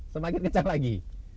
semakin kencang lagi